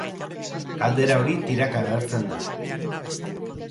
Galdera hori tiraka agertzen da.